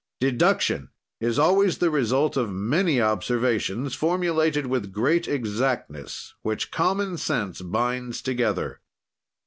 "Deduction is always the result of many observations, formulated with great exactness, which common sense binds together.